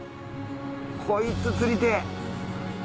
こいつ釣りてぇ。